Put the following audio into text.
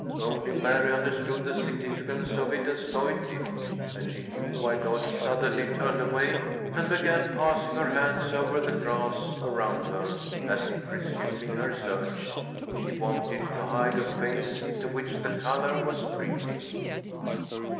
_" Only Mary understood the significance of it as Lloyd did, and she knew why Lloyd suddenly turned away and began passing her hands over the grass around her, as if resuming her search. She wanted to hide her face, into which the color was creeping.